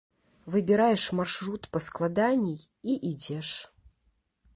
Выбіраеш маршрут паскладаней і ідзеш.